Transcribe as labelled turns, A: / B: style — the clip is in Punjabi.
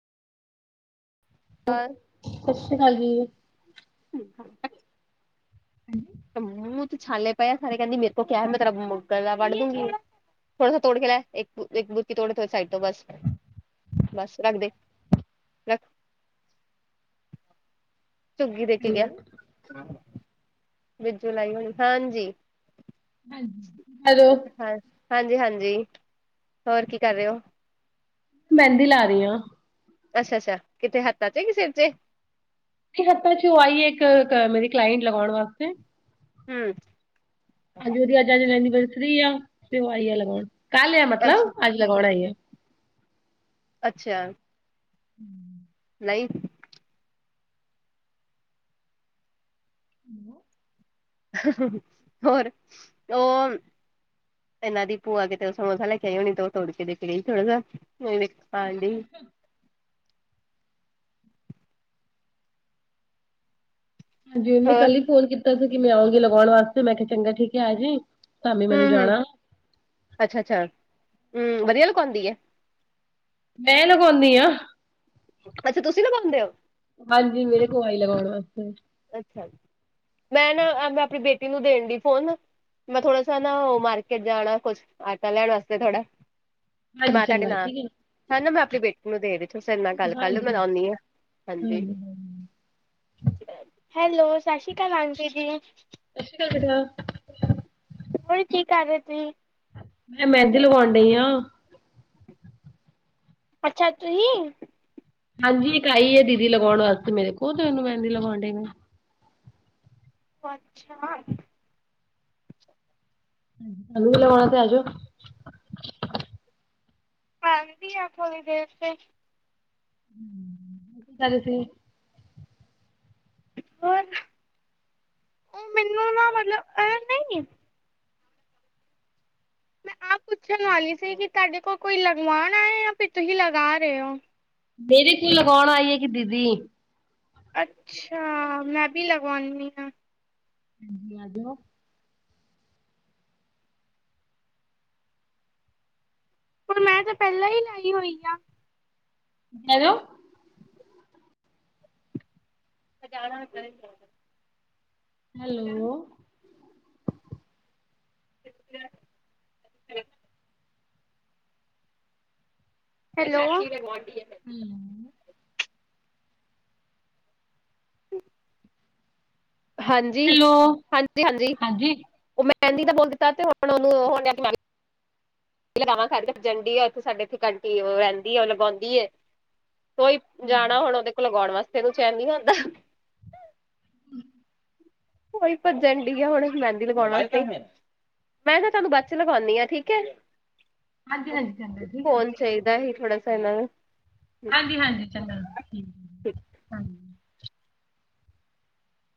A: ਸਤਿ ਸ੍ਰੀ ਅਕਾਲ ਜੀ।
B: [unintelligible]
A: [unintelligible]
B: ਤੇ ਮੂੰਹ ਤੇ ਛਾਲੇ ਪਏਆ ਹਜੇ ਕਹਿੰਦੀ ਮੇਰੇ ਕੋਲ ਕਿਹਾ ਮੈਂ ਤਾਂ ਗਲਾਂ ਵੜ ਦੂੰਗੀ। ਥੋੜਾ ਸਾ ਤੋੜ ਕੇ ਲਿਆ, ਇੱਕ ਇੱਕ ਬੁਰਕੀ ਤੋੜ ਕੇ ਫੇਰ ਸਾਈਡ ਤੋਂ ਬਸ। ਬਸ ਰੱਖਦੇ ਰੱਖ। ਚੁੱਗੀ ਦੇ ਕੇ ਗਿਆ, ਬਿੱਜੂ ਲਾਈ ਹੋਣੀ ਹਾਂਜੀ।
A: ਹਜੀ ਹੈਲੋ
B: ਹਾਂ, ਹਾਂਜੀ-ਹਾਂਜੀ, ਹੋਰ ਕੀ ਕਰ ਰਹੇ ਹੋ
A: ਮਹਿੰਦੀ ਲਾ ਰਹੀ ਹਾਂ
B: ਅੱਛਾ-ਅੱਛਾ, ਕਿੱਥੇ ਹੱਥਾ ਤੇ ਸਿਰ ਤੇ?
A: ਹੱਥਾਂ ਚ ਉਹ ਆਈਏ ਇੱਕ ਮੇਰੀ ਕਲਾਇੰਟ ਲਗਾਉਣ ਵਾਸਤੇ
B: ਹਮ
A: ਅਜ ਉਹਦੀ ਅੱਜਜ ਐਨੀਵਰਸਰੀ ਆ, ਤੇ ਉਹ ਆਈ ਆ ਲਗਾਉਣ ਕੱਲ ਆ ਮਤਲਬ
B: ਅੱਛਾ
A: ਅੱਜ ਲਗਵਾਣ ਆਈ ਆ
B: ਅੱਛਾ
A: [inaudible]
B: ਨਹੀ
A: [inaudible]
B: ਹ ਹ ਹ ਹੋਰ ਉਹ ਇਨਾ ਦੀ ਪੂਆ ਕਿਤੇ ਸਮੋਸਾ ਲੈਕੇ ਆਇ ਹੋਣੀ ਤ ਤੋੜਕੇ ਕੇ ਦੇਖ ਲਈ ਥੋੜਾ ਖਾਣ ਡਈ
A: [inaudible] ਹਾਂਜੀ, ਉਹਨੇ
B: ਹੋਰ
A: ਕੱਲ ਹੀ ਫੋਨ ਕੀਤਾ ਸੀ, ਕਿ ਮੈਂ ਆਊਗੀ ਲਗਾਉਣ ਵਾਸਤੇ ਮੈਂ ਕਿਹਾ ਚੰਗਾ ਠੀਕ ਹੈ ਆਜੀ ਧਾਮੀ ਮੈਨੂੰ ਜਾਣਾ
B: ਅੱਛਾ-ਅੱਛਾ, ਹਮ ਵਧੀਆ ਲੁਗਾਉਂਦੀ ਐ?
A: ਮੈਂ ਲਗਾਉਂਨੀ ਹਾਂ
B: ਆਸ਼ਾ ਤੁਸੀਂ ਲਗਾਉਦੇ ਹੋ?
A: ਹਾਂਜੀ, ਮੇਰੇ ਕੋਲ ਆਈ ਲਗਾਉਣ ਵਾਸਤੇ
B: ਅੱਛਾ, ਮੈਂ ਨਾ ਮੈਂ ਆਪਣੀ ਬੇਟੀ ਨੂੰ ਦੇਣ ਡੀ ਫੋਨ ਮੈਂ ਥੋੜਾ ਸਾ ਨਾ ਮਾਰਕਿਟ ਜਾਣਾ, ਕੁਛ ਆਟਾ ਲੈਣ ਵਾਸਤੇ ਥੋੜਾ ਤੇ
A: ਹਾਂਜੀ
B: ਮੈਂ ਤੁਹਾਡੇ
A: ਚੰਗਾ,
B: ਨਾਲ
A: ਠੀਕ ਹੈ ਜੀ
B: ਹਨਾ ਮੈਂ ਆਪਣੀ ਬੇਟੀ ਨੂੰ ਦੇ ਦਤ, ਉਸ ਨਾਲ ਗੱਲ ਕਰ ਲਓ, ਮੈਂ
A: ਹਾਂਜੀ
B: ਲਾਉਂਦੀ ਹਾਂ, ਹਾਂਜੀ
A: [inaudible]
B: ਹੈਲੋ, ਸਤਿ ਸ੍ਰੀ ਅਕਾਲ ਆਂਟੀ ਜੀ
A: ਸਤਿ ਸ੍ਰੀ ਅਕਾਲ ਬੇਟਾ
B: ਹੋਰ ਕੀ ਕਰ ਰਹੇ ਸੀਂ
A: ਮੈਂ ਮਹਿੰਦੀ ਲਵਾਉਣਡਈ ਆਂ
B: ਅੱਛਾ ਤੁਹੀਂ
A: ਹਾਂਜੀ ਇਕ ਆਈ ਹੈ ਦੀਦੀ ਲਗਾਉਣ ਵਾਸਤੇ ਮੇਰੇ ਕੋਲ, ਤੇ ਉਹਨੂੰ ਮਹਿੰਦੀ ਲਗਾਉਣਡੇ ਮੈੰ
B: ਓ ਅੱਛਾ
A: ਤੈਨੂੰ ਵੀ ਲਵਾਉਣਾ ਤੇ ਆ ਜਾਓ
B: ਆਂਦੀ ਆ ਥੋੜ੍ਹੀ ਦੇਰ ਤੇ
A: ਚਲ ਠੀਕ
B: ਹੋਰ, ਉਹ ਮੈਨੂੰ ਨਾ ਮਤਲਬ, ਐ ਨਹੀਂ ਮੈਂ ਆਹ ਪੁੱਛਣ ਵਾਲੀ ਸੀ ਕਿ ਤੁਹਾਡੇ ਕੋਲ ਕੋਈ ਲਗਵਾਨ ਆਏ ਜਾਂ ਫ ਤੁਸੀਂ ਲਗਾ ਰਹੇ ਹੋ
A: ਮੇਰੇ ਕੋਲ ਲਗਾਉਣ ਆਈ ਹੈ ਇਕ ਦੀਦੀ
B: ਅੱਛਾ, ਮੈਂ ਵੀ ਲਗਵਉਨੀ ਹਾਂ
A: ਹਾਂਜੀ, ਆ ਜਾਓ
B: ਹੁਣ ਮੈਂ ਤਾਂ ਪਹਿਲਾਂ ਹੀ ਲਾਈ ਹੋਈ ਆ
A: ਹੈਲੋ
B: ਮੈਂ ਜਾਣਾ ਤੇਰੇ ਕੋਲ
A: ਹੈਲੋ
B: [unintelligible] ਹੈਲੋ
A: ਹਮ
B: ਹੁ ਹਾਂਜੀ,
A: ਹੈਲੋ
B: ਹਾਂਜੀ-ਹਾਂਜੀ,
A: ਹਾਂਜੀ
B: ਉਹ ਮੈਂਹਿੰਦੀ ਦਾ ਬੋਲ ਦਿੱਤਾ ਤੇ ਹੁਣ ਉਹਨੂੰ ਆਪਣਾ ਹੋਣ ਦਿਆ ਲਗਾਵਾਂ ਕਰ ਜਾਂਦੀ ਆ ਉੱਥੇ ਸਾਡੇ ਇੱਥੇ ਕੰੰਟੀ ਉਹ ਰਹਿੰਦੀ ਹੈ ਉਹ ਲਗਾਉਂਦੀ ਹੈ ਕੋਈ ਜਾਣਾ ਹੁਣ ਉਹਦੇ ਕੋਲ ਲਗਾਉਣ ਵਾਸਤੇ, ਉਹਨੂੰ ਚੈਨ ਨੀ ਆਉਂਦਾ
A: ਹਮ
B: ਕੋਈ ਭੱਜਣ ਡ ਆ ਹੁਣ ਮਹਿੰਦੀ ਲਗਾਉਣ ਵਾਸਤੇ ਮੈਂ ਨਾ ਤੁਹਾਨੂੰ ਬਚ ਲਗਾਉਂਦੀ ਹਾਂ, ਠੀਕ ਹੈ
A: ਹਾਂਜੀ -ਹਾਂਜੀ ਲ ਜਾਂਗਾ ਠੀਕ ਹੈ
B: ਫੋਨ ਚਾਹੀਦਾ ਹੀ ਥੋੜਾ ਸ ਲਓ
A: ਹਾਂਜੀ- ਹਾਂਜੀ ਚੰਗਾ